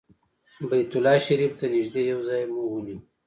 بیت الله شریفې ته نږدې یو ځای مو ونیو.